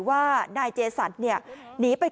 กลุ่มตัวเชียงใหม่